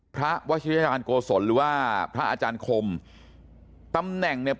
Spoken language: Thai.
พระวชิริยการโกศลหรือว่าพระอาจารย์คมตำแหน่งเนี่ย